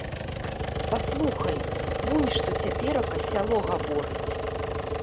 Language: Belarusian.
Паслухай вунь, што цяперака сяло гаворыць.